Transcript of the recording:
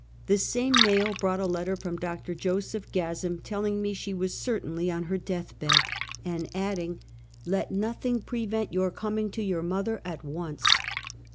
The same mail brought a letter from Dr. Joseph Gaz zam, telling me she was certainly on her death bed, 5 66 Half a Centuet. and adding: "Let nothing prevent your coining to your mother at once."